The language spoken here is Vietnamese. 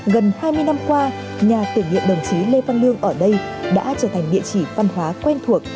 gần hai mươi năm qua nhà tưởng niệm đồng chí lê văn lương ở đây đã trở thành địa chỉ văn hóa quen thuộc